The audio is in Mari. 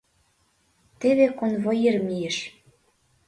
Теве конвоир мийыш.